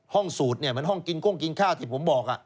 สูตรเนี่ยเหมือนห้องกินก้งกินข้าวที่ผมบอก